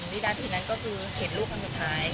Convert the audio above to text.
วินาทีนั้นก็คือเห็นลูกคนสุดท้าย